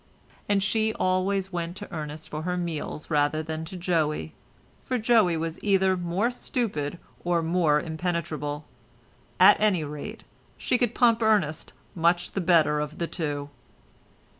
And she always went to Ernest for her meals rather than to Joey, for Joey was either more stupid or more impenetrable—at any rate she could pump Ernest much the better of the two.